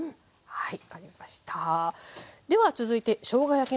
はい。